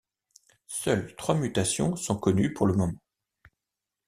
Seul trois mutations sont connues pour le moment.